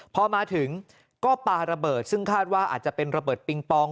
พอมาถึงก็ปาระเบิดซึ่งคาดว่าอาจจะเป็นระเบิดปิงปอง